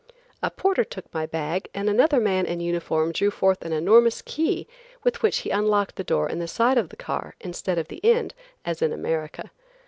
A porter took my bag and another man in uniform drew forth an enormous key with which he unlocked the door in the side of the car instead of the end, as in America.